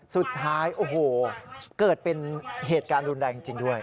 สุดท้ายโอ้โหเกิดเป็นเหตุการณ์รุนแรงจริงด้วย